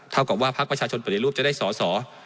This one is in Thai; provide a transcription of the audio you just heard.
เท่ากว่าภพชปริรูปให้ศศ๐๖๐๗